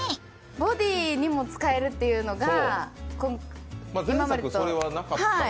ボディーにも使えるっていうのが、今までと違う。